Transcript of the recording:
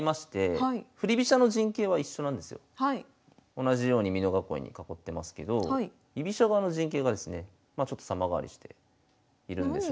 同じように美濃囲いに囲ってますけど居飛車側の陣形がですねまあちょっと様変わりしているんですが。